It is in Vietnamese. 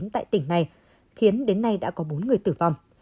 tại tỉnh này khiến đến nay đã có bốn người tử vong